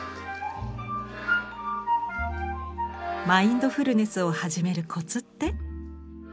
マインドフルネスをはじめるコツって？